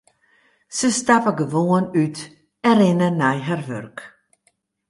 Se stappe gewoan út en rinne nei har wurk.